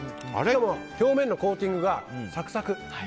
表面のコーティングがサクサク。